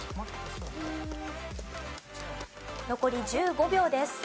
残り１５秒です。